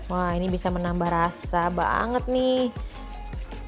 wah ini bisa menambah rasa banget nih